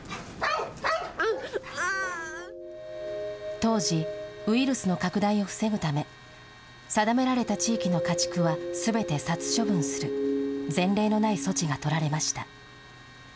当時、ウイルスの拡大を防ぐため、定められた地域の家畜はすべて殺処分する前例のない措置が取られました。